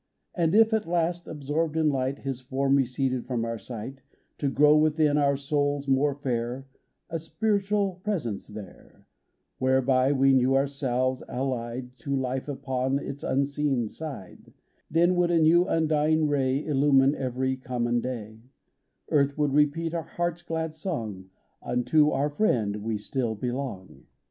And if at last, absorbed in light, His form receded from our sight To grow within our souls more fair, A spiritual Presence there, Whereby we knew ourselves allied To Life upon its unseen side, — Then would a new, undying ray Illumine every common day ; Earth would repeat our heart's glad song, Unto our friend we still belong."